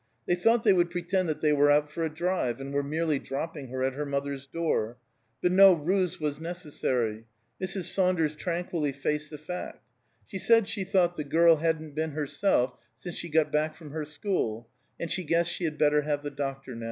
They thought they would pretend that they were out for a drive, and were merely dropping her at her mother's door; but no ruse was necessary. Mrs. Saunders tranquilly faced the fact; she said she thought the child hadn't been herself since she got back from her school, and she guessed she had better have the doctor now.